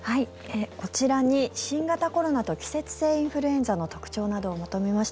こちらに新型コロナと季節性インフルエンザの特徴などをまとめました。